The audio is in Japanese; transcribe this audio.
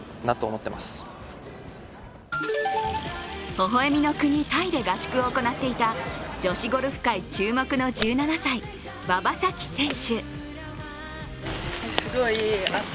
ほほえみの国・タイで合宿を行っていた女子ゴルフ界注目の１７歳馬場咲希選手。